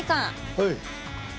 はい。